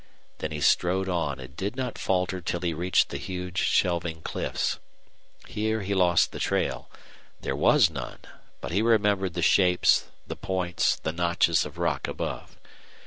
Then he strode on and did not falter till he reached the huge shelving cliffs. Here he lost the trail; there was none; but he remembered the shapes, the points, the notches of rock above.